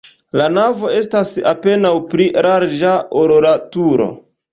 La navo estas apenaŭ pli larĝa, ol la turo.